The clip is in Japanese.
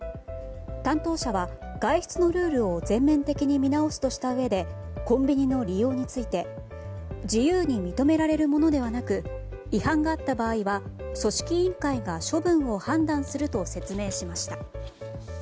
担当者は外出のルールを全面的に見直すとしたうえでコンビニの利用について自由に認められるものではなく違反があった場合は組織委員会が処分を判断すると説明しました。